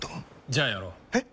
じゃあやろう。え？